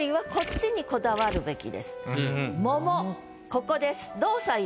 ここです。